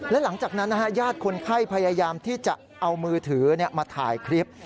และหลังจากนั้นญาติคนไข้พยายามที่จะเอามือถือมาถ่ายคลิป